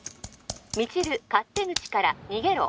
未知留勝手口から逃げろ